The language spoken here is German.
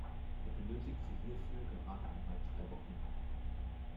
Er benötigte hierfür gerade einmal drei Wochen.